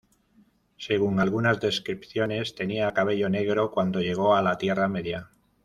Según algunas descripciones, tenía cabello negro cuando llegó a la Tierra Media.